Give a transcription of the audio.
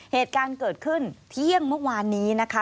เหตุการณ์เกิดขึ้นเที่ยงเมื่อวานนี้นะคะ